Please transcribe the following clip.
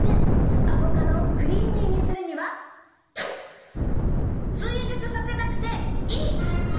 アボカドをクリーミーにするには追熟させなくていい！